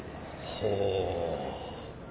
ほう。